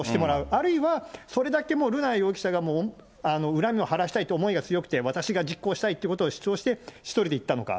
あるいはそれだけもう瑠奈容疑者がもう恨みを晴らしたいという思いが強くて、私が実行したいということを主張して１人で行ったのか。